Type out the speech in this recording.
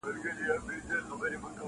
دوی د پیښي په اړه پوښتني کوي او حيران دي,